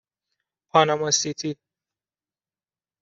پاناما سیتی